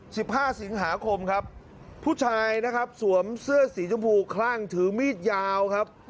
สิบห้าสิงหาคมครับผู้ชายนะครับสวมเสื้อสีชมพูคลั่งถือมีดยาวครับ